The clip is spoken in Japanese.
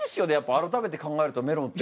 改めて考えるとメロンって。